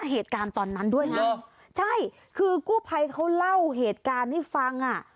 เหตุการณ์ตอนนั้นด้วยนะใช่คือกู้ภัยเขาเล่าเหตุการณ์ให้ฟังอ่ะ